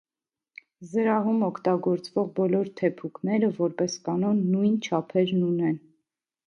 Զրահում օգտագործվող բոլոր թեփուկները որպես կանոն նույն չափերն ունեն։